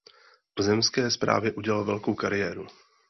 V zemské správě udělal velkou kariéru.